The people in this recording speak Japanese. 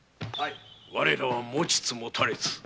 我らはもちつもたれつ。